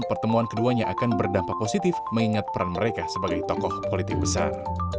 pertemuan keduanya akan berdampak positif mengingat peran mereka sebagai tokoh politik besar